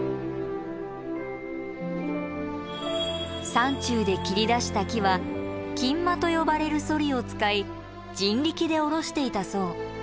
山中で切り出した木は木馬と呼ばれるソリを使い人力で下ろしていたそう。